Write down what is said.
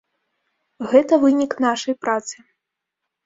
Гэта вынік нашай працы.